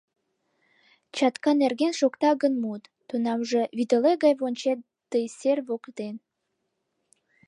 Чатка нерген шокта гын мут, тунамже вӱтеле гай кончет тый сер воктен.